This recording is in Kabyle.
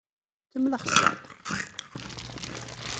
Kemmel axeẓẓeṛ!